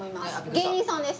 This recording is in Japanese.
芸人さんです。